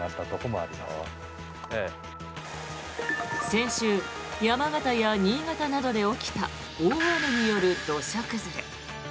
先週、山形や新潟などで起きた大雨による土砂崩れ。